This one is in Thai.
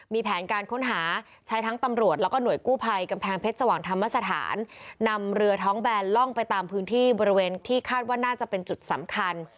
มีแผนการค้นหาใช้ทั้งตำรวจแล้วก็หน่วยกู้ภัยกำแพงเพชรสว่างธรรมสถานนำเรือท้องแบนล่องไปตามพื้นที่บริเวณที่คาดว่าน่าจะเป็นจุดสำคัญ